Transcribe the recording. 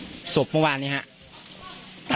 กลุ่มวัยรุ่นกลัวว่าจะไม่ได้รับความเป็นธรรมทางด้านคดีจะคืบหน้า